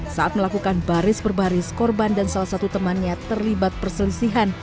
saat melakukan baris per baris korban dan salah satu temannya terlibat perselisihan